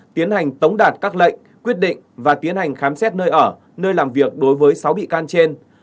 tiến hành tống đạt các lệnh quyết định và tiến hành khám xét nơi ở nơi làm việc đối với sáu bị can trên